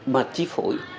mà chi phổi